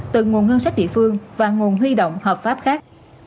từ nguồn ngân sách địa phương và nguồn huy động hợp pháp khác